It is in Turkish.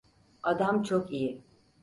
Adam çok iyi.